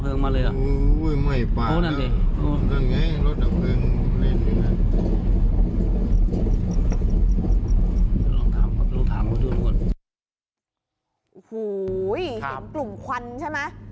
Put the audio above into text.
เห็นกลุ่มควันใช่ไหม